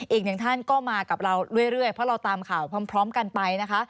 อีกหนึ่งท่านก็มากับเราเรื่อยเพราะเราตามข่าวพร้อมกันไปนะคะ